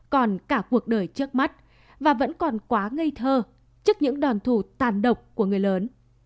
còn cả cuộc đời trước mắt và vẫn còn quá ngây thơ trước những đòn thủ tàn độc của người lớn